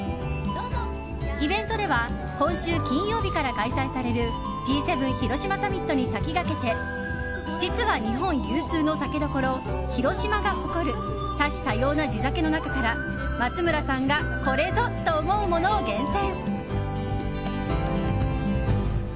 イベントでは今週金曜日から開催されるＧ７広島サミットに先駆けて実は日本有数の酒どころ広島が誇る多種多様な地酒の中から松村さんがこれぞと思うものを厳選。